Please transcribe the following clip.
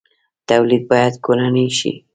تولید باید کورنی شي